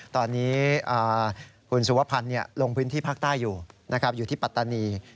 ตอนนี้คุณสุวพันธ์ลงพื้นที่ภาคใต้อยู่นะครับอยู่ที่ปัตตานี